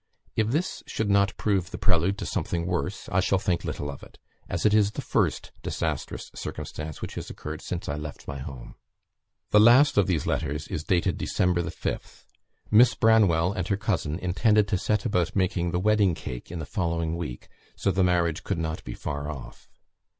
If this should not prove the prelude to something worse I shall think little of it, as it is the first disastrous circumstance which has occurred since I left my home." The last of these letters is dated December the 5th. Miss Branwell and her cousin intended to set about making the wedding cake in the following week, so the marriage could not be far off.